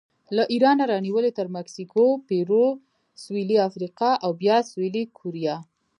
له ایرانه رانیولې تر مکسیکو، پیرو، سویلي افریقا او بیا سویلي کوریا